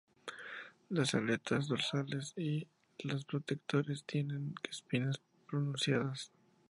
Las aletas dorsales y las pectorales tienen espinas pronunciadas.